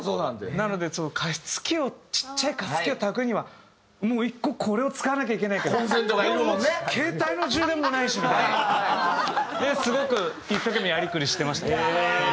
なので加湿器をちっちゃい加湿器をたくにはもう１個これを使わなきゃいけないけどでも携帯の充電もないしみたいな。ですごく一生懸命やりくりしてましたね。